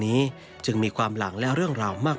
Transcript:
ในหลวงทั้งสองพระองค์ทั้งสองพระองค์